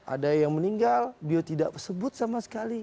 ada yang meninggal beliau tidak sebut sama sekali